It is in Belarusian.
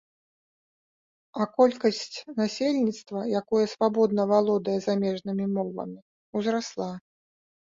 А колькасць насельніцтва, якое свабодна валодае замежнымі мовамі, узрасла.